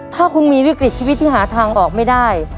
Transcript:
ถ้าคุณมีวิกฤตชีวิตที่หาทางออกไม่ได้